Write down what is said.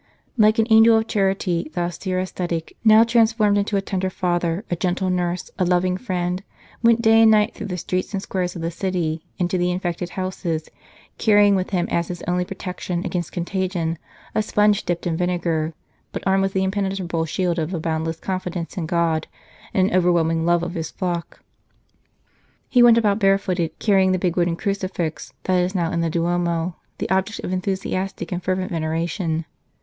Like an angel of charity, the austere ascetic, now transformed into a tender father, a gentle nurse, a loving friend, went day and night St. Charles Borromeo through the streets and squares of the city, into the infected houses, carrying with him as his only protection against contagion a sponge dipped in vinegar, but armed with the impenetrable shield of a boundless confidence in God and an over whelming love of his flock. He went about bare footed, carrying the big wooden crucifix that is now in the Duomo, the object of enthusiastic and fervent veneration.